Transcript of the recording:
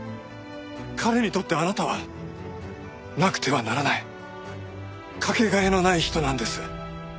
彼にとってあなたはなくてはならないかけがえのない人なんです。